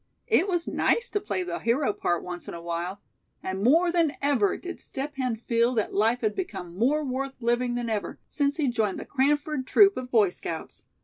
It was nice to play the hero part once in a while, and more than ever did Step Hen feel that life had become more worth living than ever, since he joined the Cranford troop of Boy Scouts.